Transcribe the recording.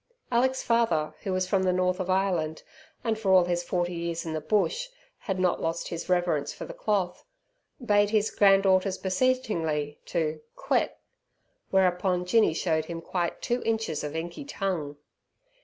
Alick's father, who was from the North of Ireland, and, for all his forty years in the bush, had not lost his reverence for the cloth, bade his grand daughters beseechingly to "quet", whereupon Jinny showed him quite two inches of inky tongue.